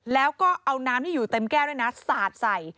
แล้วก็เอาน้ำที่อยู่เต็มแก้วด้วยนะสาดใส่